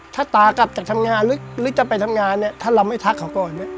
ถ้าตากลับจากทำงานหรือจะไปทำงานถ้าเราไม่ทักเขาก็